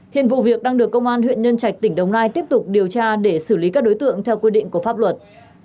hiện vụ việc đang được công an huyện nhân trạch tỉnh đồng nai tiếp tục điều tra để xử lý các đối tượng theo quy định của pháp luật